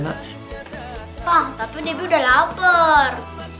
tapi debbie udah lapar